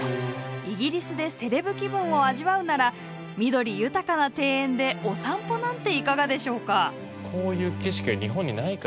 イギリスでセレブ気分を味わうなら緑豊かな庭園でお散歩なんていかがでしょうか？